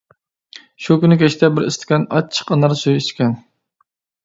شۇ كۈنى كەچتە بىر ئىستاكان ئاچچىق ئانار سۈيى ئىچكەن.